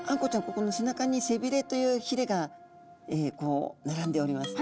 ここの背中に背びれというひれが並んでおります。